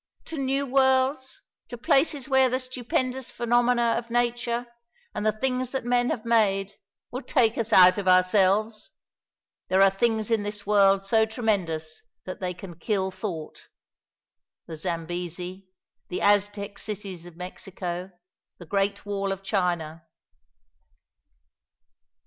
to new worlds to places where the stupendous phenomena of Nature, and the things that men have made, will take us out of ourselves? There are things in this world so tremendous that they can kill thought. The Zambesi, the Aztec cities of Mexico, the great Wall of China."